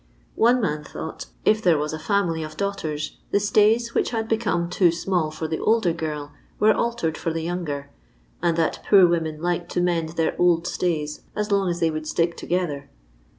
One man thought. I if there was a fiunily of daughters, the stays I which had became too small for the elder girl were I altered for the younger, and that poor women liked I to mend their old stays as long as they would stick together.